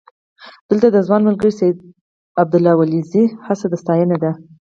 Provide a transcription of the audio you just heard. دلته د ځوان ملګري سید عبدالله ولیزي هڅه د ستاینې ده.